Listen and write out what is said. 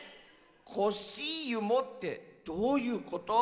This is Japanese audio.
コッシーユもってどういうこと？